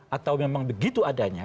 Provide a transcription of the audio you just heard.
atau memang begitu adanya